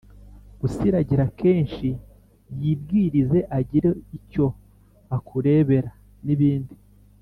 gusiragira kenshi, yibwirize agire icyo akurebera n'ibindi.